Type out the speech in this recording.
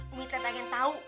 umi teh pengen tau